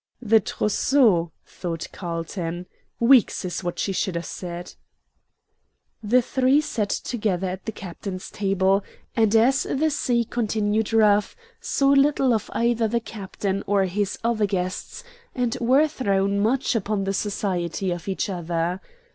"The trousseau," thought Carlton. "Weeks is what she should have said." The three sat together at the captain's table, and as the sea continued rough, saw little of either the captain or his other guests, and were thrown much upon the society of each other.